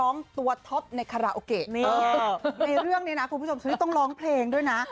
ในเรื่องนี้นะคุณผู้ชมฉลิตต้องร้องเพลงด้วยนะ